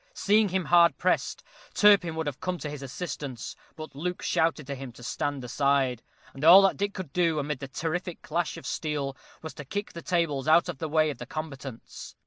Seeing him hard pressed, Turpin would have come to his assistance; but Luke shouted to him to stand aside, and all that Dick could do, amid the terrific clash of steel, was to kick the tables out of the way of the combatants.